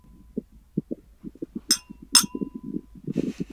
本列表为中华民国驻巴拿马历任大使的名录。